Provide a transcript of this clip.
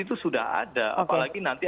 itu sudah ada apalagi nanti